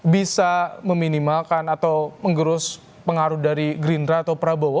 bisa meminimalkan atau menggerus pengaruh dari gerindra atau prabowo